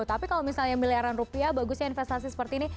tapi kalau misalnya miliaran rupiah bagusnya investasi seperti ini